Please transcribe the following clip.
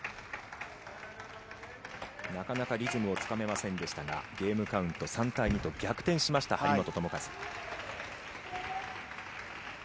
なかなかリズムをつかめませんでしたが、ゲームカウント３対２と逆転しました、張本智和。